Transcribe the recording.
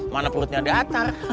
mana perutnya datar